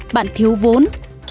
bạn thiếu vốn